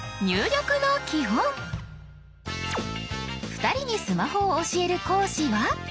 ２人にスマホを教える講師は。